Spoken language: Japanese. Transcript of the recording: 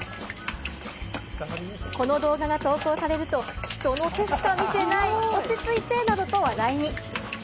この動画が投稿されると、人の手しか見ていない、落ち着いて！などと話題に。